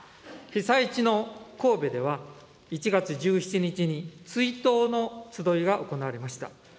被災地の神戸では、１月１７日に追悼のつどいが行われました。